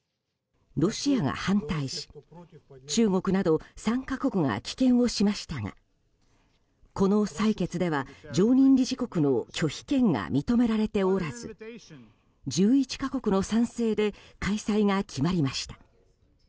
ロシアが反対し、中国など３か国が棄権をしましたがこの採決では常任理事国の拒否権が認められておらず１１か国の賛成で開催が決まりました。